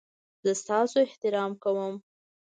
زه ستاسو احترام کوم